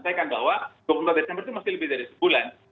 saya katakan bahwa dua puluh empat desember itu masih lebih dari sebulan